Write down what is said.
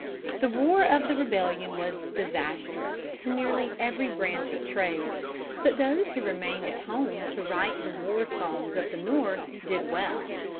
The war of the Rebellion was disastrous to nearly every branch of trade, but those who remained at home to write the war songs of the North did well.